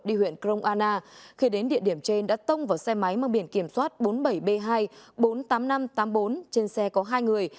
đi huyện krong anna khi đến địa điểm trên đã tông vào xe máy mang biển kiểm soát bốn mươi bảy b hai bốn mươi tám nghìn năm trăm tám mươi bốn trên xe có hai người